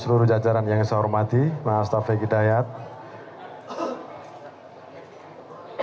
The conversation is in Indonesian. seluruh jajaran yang saya hormati mbak astagfirullahaladzim